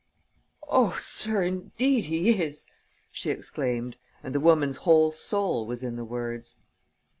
"Oh, sir, indeed he is!" she exclaimed; and the woman's whole soul was in the words.